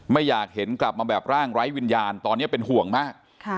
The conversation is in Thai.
ไม่อยากเห็นกลับมาแบบร่างไร้วิญญาณตอนนี้เป็นห่วงมาก